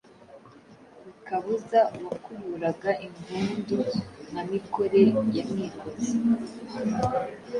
Rukabuza wakuburaga ingundu Nka Mikore ya Mwikozi*